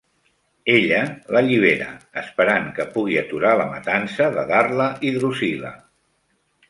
Ella l'allibera, esperant que pugui aturar la matança de Darla i Drusilla.